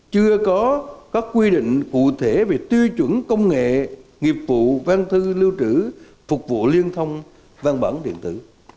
chưa có các quy định cụ thể về tiêu chuẩn công nghệ nghiệp vụ văn thư lưu trữ phục vụ liên thông văn bản điện tử